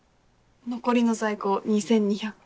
残りの在庫２２００個。